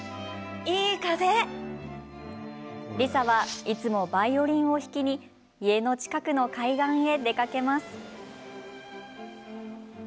リサはいつもバイオリンを弾きに家の近くの海岸へ出かけます。